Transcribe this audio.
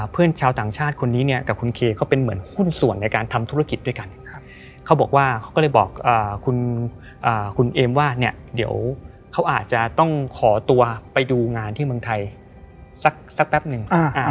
เพื่อนชาวต่างชาติคนนี้เนี่ยกับคุณเคเขาเป็นเหมือนหุ้นส่วนในการทำธุรกิจด้วยกันเขาบอกว่าเขาก็เลยบอกคุณเอมว่าเนี่ยเดี๋ยวเขาอาจจะต้องขอตัวไปดูงานที่เมืองไทยสักแป๊บหนึ่ง